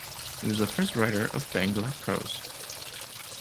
He was the first writer of Bangla prose.